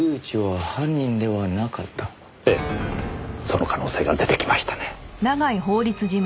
その可能性が出てきましたね。